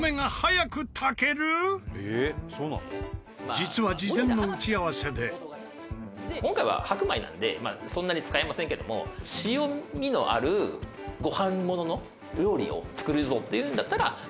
実は「今回は白米なのでそんなに使えませんけども塩みのあるご飯ものの料理を作るぞっていうんだったら」